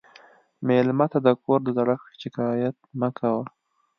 مېلمه ته د کور د زړښت شکایت مه کوه.